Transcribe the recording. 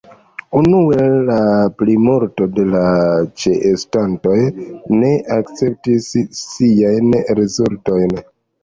Unue la plimulto de la ĉeestantoj ne akceptis siajn rezultojn.